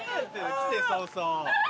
来て早々。